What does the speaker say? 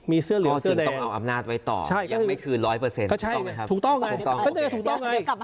ก็จึงต้องเอาอำนาจไว้ต่อละยังไม่คือ๑๐๐ถูกต้องมั้ยครับ